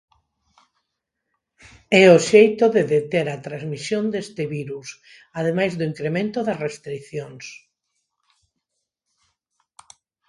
É o xeito de deter a transmisión deste virus, ademais do incremento das restricións.